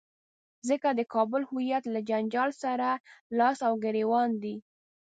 ځکه د کابل هویت له جنجال سره لاس او ګرېوان دی.